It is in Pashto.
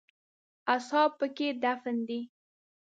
اصحاب په کې دفن دي.